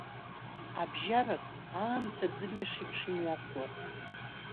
Абжьарак, аамҭа аӡырҩаш еиԥш имҩасуан.